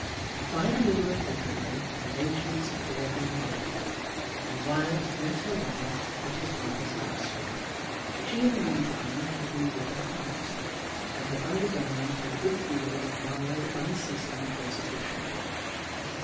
By the middle of February arrangements had all been made, and Violet met her lover at his father's house. She in the meantime had been with her aunt, and had undergone a good deal of mild unceasing persecution.